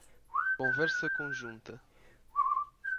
Conversa conjunta